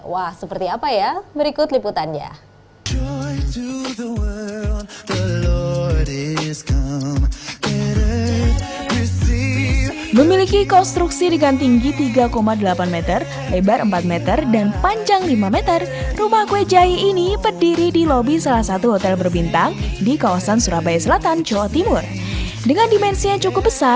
wah seperti apa ya berikut liputannya